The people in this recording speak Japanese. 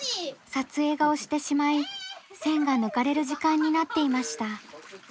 撮影が押してしまい栓が抜かれる時間になっていました。